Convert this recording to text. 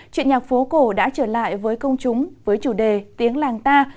chuyện nhạc phố cổ đã trở lại với công chúng với chủ đề tiếng làng ta